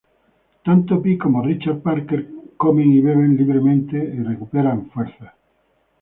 Tanto Pi como Richard Parker comen y beben libremente y recuperan fuerzas.